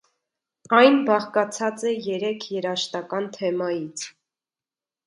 Այն բաղկացած է երեք երաժշտական թեմայից։